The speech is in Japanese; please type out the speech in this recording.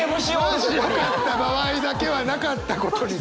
マジよかった場合だけはなかったことにする。